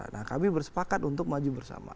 nah kami bersepakat untuk maju bersama